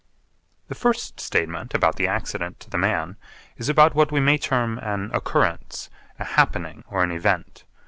The first statement about the accident to the man is about what we may term an 'occurrence,' a 'happening,' or an 'event.'